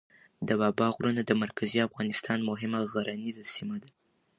د بابا غرونه د مرکزي افغانستان مهمه غرنیزه سیمه ده.